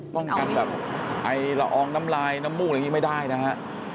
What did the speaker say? ป้องกันแบบไอละอองน้ำลายน้ำมูกอะไรอย่างนี้ไม่ได้นะฮะ